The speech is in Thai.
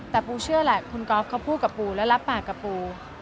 แต่ปูเชื่อแหละคุณก๊อฟเขาพูดกับปูและรับปากกับปู